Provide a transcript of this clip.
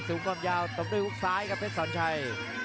ศอกซ้ายของเพชรศัลชัย